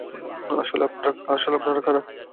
আসলে আপনারা কারা?